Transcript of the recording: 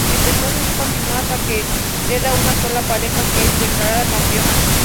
Este proceso continúa hasta que queda una sola pareja, que es declarada campeona.